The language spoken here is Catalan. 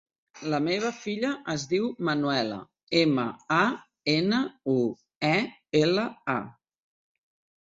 La meva filla es diu Manuela: ema, a, ena, u, e, ela, a.